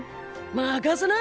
任せな！